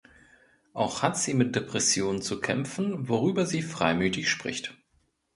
Auch hat sie mit Depressionen zu kämpfen, worüber sie freimütig spricht.